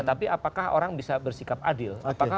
tapi apakah orang bisa bersikap adil